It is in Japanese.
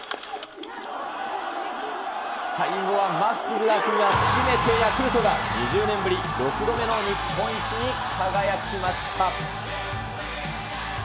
最後はマクガフが締めてヤクルトが２０年ぶり、６度目の日本一に輝きました。